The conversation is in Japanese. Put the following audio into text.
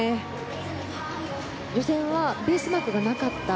予選はベースマークがなかった。